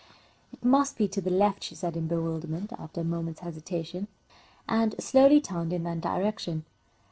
"It must be to the left," she said, in bewilderment, after a moment's hesitation, and slowly turned in that direction.